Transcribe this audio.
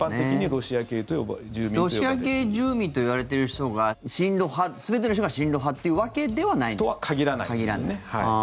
ロシア系住民と呼ばれている人が親ロ派全ての人が親ロ派というわけではないんですね。とは限らないですよね。